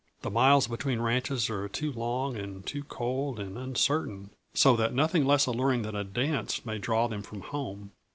The miles between ranches are too long and too cold and uncertain, so that nothing less alluring than a dance may draw them from home.